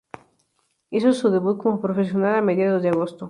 Hizo su debut como profesional a mediados de agosto.